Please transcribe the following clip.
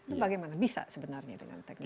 itu bagaimana bisa sebenarnya dengan teknologi